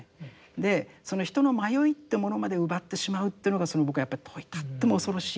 でその人の迷いってものまで奪ってしまうというのが僕はやっぱりとっても恐ろしい。